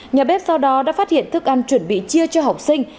nhà bếp sau đó đã phát hiện thức ăn chuẩn bị chia cho học sinh